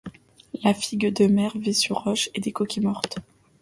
La figue de mer vit sur roches et des coquilles mortes.